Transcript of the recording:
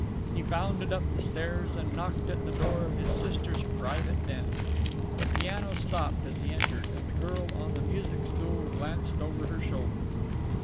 He bounded up the stairs and knocked at the door of his sister's private den. The piano stopped as he entered, and the girl on the music stool glanced over her shoulder.